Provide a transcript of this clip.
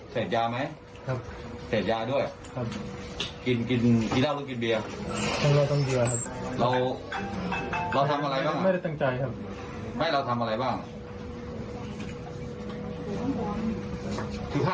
พี่น้าข่าวเขาบอกว่าสไลจ์นรอะไรแบบเนี้ย